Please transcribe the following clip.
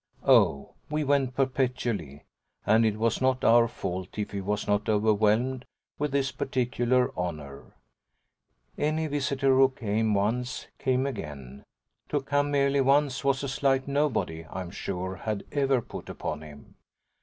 Oh we went perpetually, and it was not our fault if he was not overwhelmed with this particular honour. Any visitor who came once came again; to come merely once was a slight nobody, I'm sure, had ever put upon him.